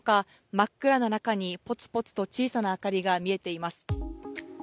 真っ暗な中にぽつぽつと小さな明かりが見えています。